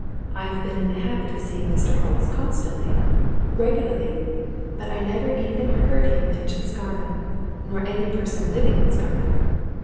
I have been in the habit of seeing Mr. Hollis constantly regularly and I never even heard him mention Scarnham, nor any person living at Scarnham.